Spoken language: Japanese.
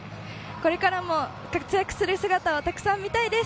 これからも活躍する姿をたくさん見たいです。